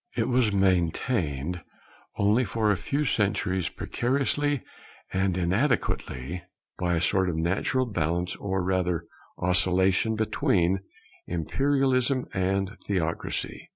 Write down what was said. It was maintained only for a few centuries precariously and inadequately, by a sort of natural balance or rather oscillation between imperialism and theocracy.